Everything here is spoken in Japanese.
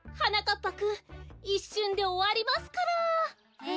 ぱくんいっしゅんでおわりますから。